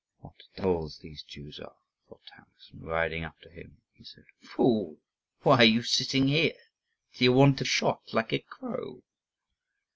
"What devils these Jews are!" thought Taras; and riding up to him, he said, "Fool, why are you sitting here? do you want to be shot like a crow?"